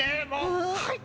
はい。